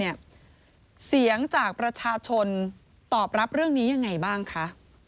เสียงจากประชาชนตอบรับเรื่องนี้ยังไงบ้างคะ